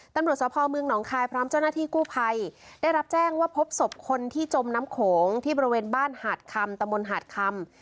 ตำรวจสภเมืองหนองคายพร้อมเจ้าหน้าที่กู้ภัยได้รับแจ้งว่าพบศพคนที่จมน้ำโขงที่บริเวณบ้านหาดคำตะมนต์หาดคำ